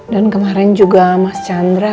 dan kemarin juga mas chandra